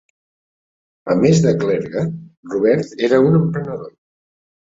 A més de clergue, Robert era un emprenedor.